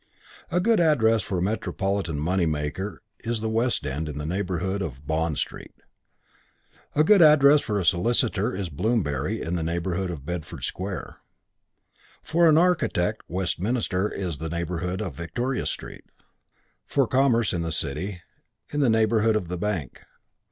A good address for a metropolitan money lender is the West End in the neighbourhood of Bond Street; a good address for a solicitor is Bloomsbury in the neighbourhood of Bedford Square: for an architect Westminster in the neighbourhood of Victoria Street, for commerce the City in the neighbourhood of the Bank.